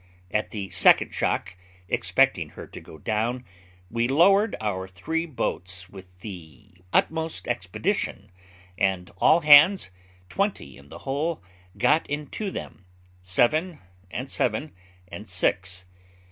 At the second shock, expecting her to go down, we lowered our three boats with the utmost expedition, and all hands, twenty in the whole, got into them seven, and seven, and six.